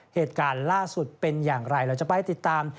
เหตุการณ์ล่าสุดเป็นอย่างไรเราจะไปติดตาม